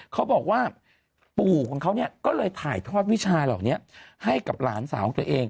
เขาบอกว่าปู่ของเขาเนี่ยก็เลยถ่ายทอดวิชาเหล่านี้ให้กับหลานสาวของตัวเอง